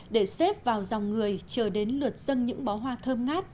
để xếp vào dòng người chờ đến lượt dân những bó hoa thơm ngát